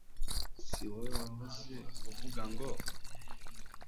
si wowe wahoze uvuga ngo